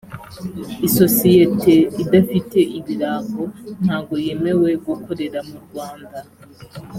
isosiyete idafite ibirango ntago yemewe gukorera mu rwanda